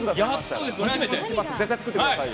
絶対作ってくださいよ。